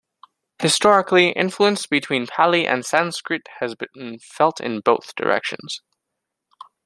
Historically, influence between Pali and Sanskrit has been felt in both directions.